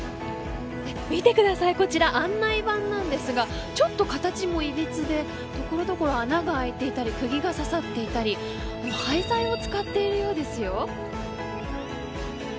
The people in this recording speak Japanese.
見てくださいこちら案内板なんですがちょっと形もいびつで所々、穴が開いていたりくぎが刺さっていたり廃材を使っているようですよ。